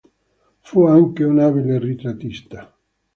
Fu anche un abile ritrattista.